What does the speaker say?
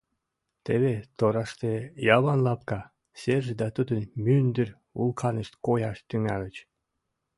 “Теве тораште Яван лапка, серже да тудын мӱндыр вулканышт кояш тӱҥальыч.